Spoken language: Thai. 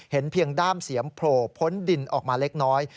เพียงด้ามเสียมโผล่พ้นดินออกมาเล็กน้อย